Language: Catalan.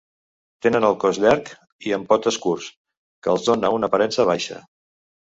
Tenen el cos llarg i amb potes curts, que els dóna una aparença baixa.